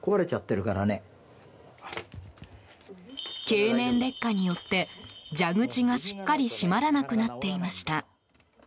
経年劣化によって蛇口がしっかり閉まらなくなっていました。